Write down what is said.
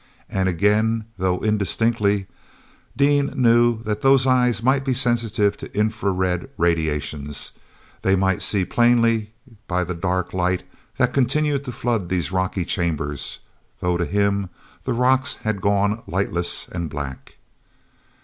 And again, though indistinctly, Dean knew that those eyes might be sensitive to infra red radiations—they might see plainly by the dark light that continued to flood these rocky chambers, though, to him, the rocks had gone lightless and black.